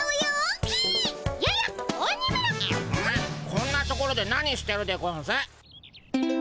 こんな所で何してるでゴンス？